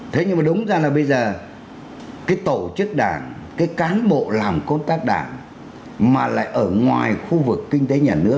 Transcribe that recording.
thế nhưng mà đúng ra là bây giờ cái tổ chức đảng cái cán bộ làm công tác đảng mà lại ở ngoài khu vực kinh tế nhà nước